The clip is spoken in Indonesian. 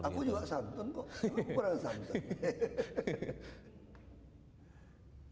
aku juga santun kok aku juga santun